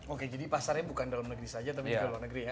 oke jadi pasarnya bukan dalam negeri saja tapi juga luar negeri ya